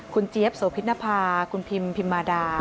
คุณเจี๊ยบโสพินภาคุณพิมพิมมาดา